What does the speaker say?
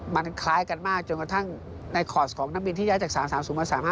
มันคล้ายกันมากจนกระทั่งในคอร์สของนักบินที่ย้ายจาก๓๓๐มา๓๕